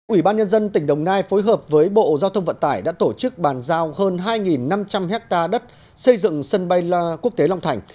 ủy ban nhân dân tỉnh đồng nai phối hợp với bộ giao thông vận tải đã tổ chức bàn giao hơn hai năm trăm linh hectare đất xây dựng sân bay quốc tế long thành